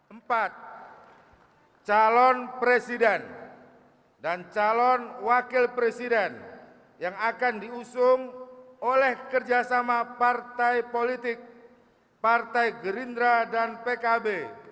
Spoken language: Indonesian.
empat calon presiden dan calon wakil presiden yang akan diusung oleh kerjasama partai politik partai gerindra dan pkb